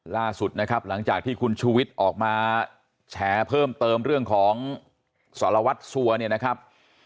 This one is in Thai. ล่าสุดนะครับหลังจากที่คุณชูวิทย์ออกมาแฉเพิ่มเติมเรื่องของสารวัตรสัวเนี่ยนะครับ